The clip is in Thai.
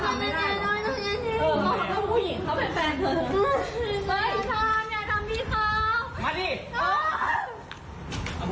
อย่าคิดว่าเป็นแฟนแล้วมันทำไม่ได้